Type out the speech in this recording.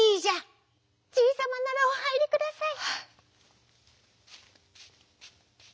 「じいさまならおはいりください」。